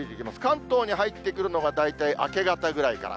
関東に入ってくるのが大体明け方ぐらいから。